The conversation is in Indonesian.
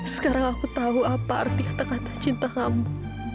sekarang aku tahu apa arti kata kata cinta kamu